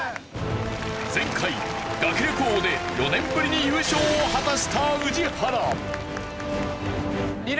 前回学力王で４年ぶりに優勝を果たした宇治原。